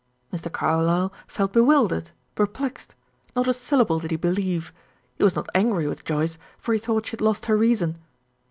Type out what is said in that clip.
Mr. Carlyle felt bewildered perplexed. Not a syllable did he believe. He was not angry with Joyce, for he thought she had lost her reason.